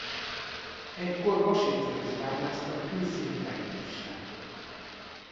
Egykor vasércet is bányásztak külszíni fejtéssel.